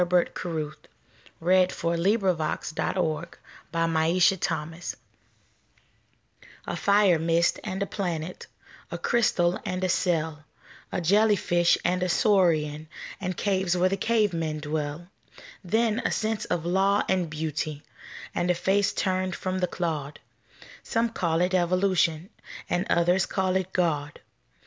O P . Q R . S T . U V . W X . Y Z Each in His Own Tongue A FIRE MIST and a planet, A crystal and a cell, A jelly fish and a saurian, And caves where the cave men dwell; Then a sense of law and beauty And a face turned from the clod Some call it Evolution, And others call it God.